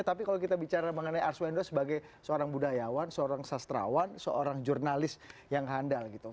tapi kalau kita bicara mengenai arswendo sebagai seorang budayawan seorang sastrawan seorang jurnalis yang handal gitu